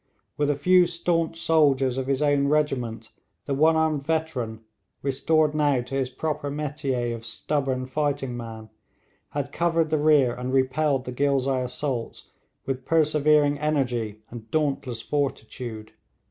With a few staunch soldiers of his own regiment, the one armed veteran, restored now to his proper métier of stubborn fighting man, had covered the rear and repelled the Ghilzai assaults with persevering energy and dauntless fortitude.